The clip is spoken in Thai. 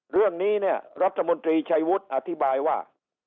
เรื่องนี้เนี่ยรัฐมนตรีชัยวุฒิอธิบายว่า